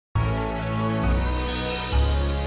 jangan lupa like share dan subscribe